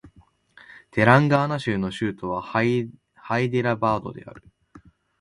テランガーナ州の州都はハイデラバードである